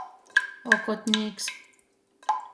Okotnīks.